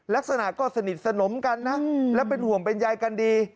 ลักษณะก็สนิทสนมกันนะและเป็นห่วงเป็นใยกันดี